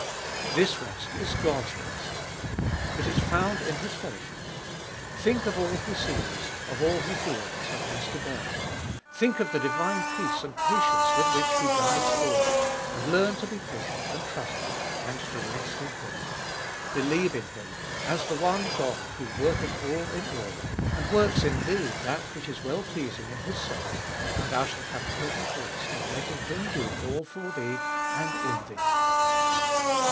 2. This rest is God's rest : it is found in His fellowship. Think of all He sees, of all He feels, and has to bear ; think of the divine peace and patience with which He guides all ; and learn to be patient and trustful, and to rest in Him. Believe in Him, as the one God who worheth all in all, and worhs in thee that which is well pleasing in His sight, and thou shalt have perfect rest in letting Him do all for thee and in thee.